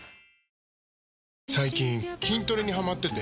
最近筋トレにハマってて。